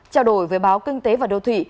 trao đổi với báo kinh tế và đầu thủy